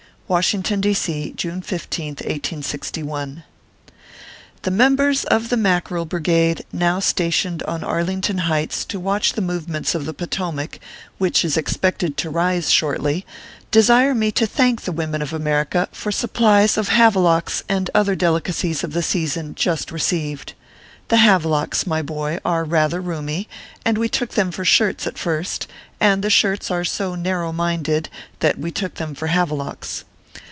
WASHINGTON, D. C., June 15th, 1861. THE members of the Mackerel Brigade., now sta tioned on Arlington Heights to watch the movements of the Potomac, which is expected to rise shortly, desire me to thank the women of America for supplies of Havelocks and other delicacies of the season just received. The Havelocks, my boy, are rather roomy, and we took them for shirts at first ; and the shirts are so narrow minded, that we took them for Have locks.